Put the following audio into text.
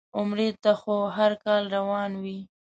عمرې ته خو هر کال روان وي.